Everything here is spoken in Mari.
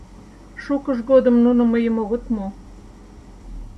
Шукыж годым нуно мыйым огыт му.